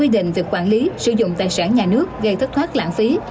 định việc quản lý sử dụng tài sản nhà nước gây thất thoát lãng phí